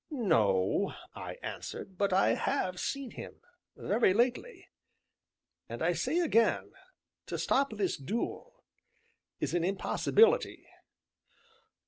"No," I answered, "but I have seen him, very lately, and I say again to stop this duel is an impossibility."